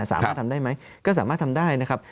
สามารถทำได้ไหมก็สามารถทำได้นะครับ